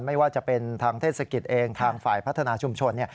ไม่ว่าจะเป็นทางเทศกิจเองทางฝ่ายพัฒนาชุมชน